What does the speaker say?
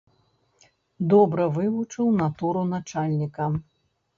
Добра вывучыў натуру начальніка.